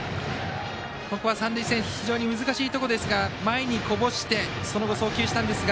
ここは三塁線非常に難しいところですが前にこぼしてその後、送球したんですが。